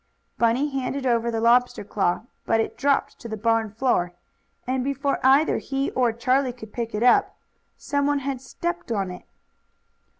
Bunny handed over the lobster claw, but it dropped to the barn floor, and before either he or Charlie could pick it up, some one had stepped on it.